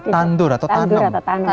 tandur atau tanem